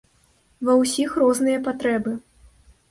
Ва ўсіх розныя патрэбы.